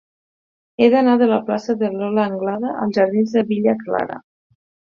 He d'anar de la plaça de Lola Anglada als jardins de Villa Clara.